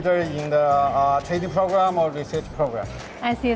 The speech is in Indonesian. sama ada dalam program pengurusan atau program penelitian